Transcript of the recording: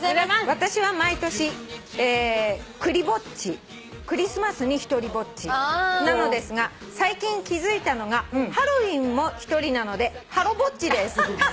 「私は毎年クリぼっちクリスマスに独りぼっちなのですが最近気付いたのがハロウィーンも一人なのでハロぼっちです」